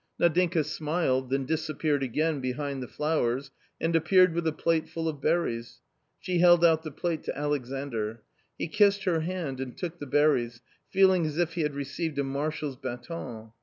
Nadinka smiled, then disappeared again behind the flowers and appeared with a plate full of berries. She held out the plate to Alexandr. He kissed her hand and took the berries, feeling as if he had received a marshal's baton.